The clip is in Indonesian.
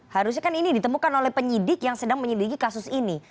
harusnya kan ini ditemukan oleh penyidik yang sedang menyelidiki kasus ini